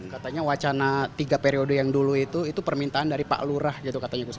katanya wacana tiga periode yang dulu itu itu permintaan dari pak lurah gitu katanya gus